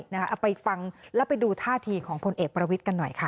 เอาไปฟังแล้วไปดูท่าทีของพลเอกประวิทย์กันหน่อยค่ะ